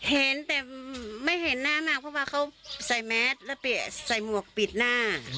เห็นแต่ไม่เห็นหน้ามากเพราะว่าเขาใส่แมสแล้วเปลี่ยนใส่หมวกปิดหน้า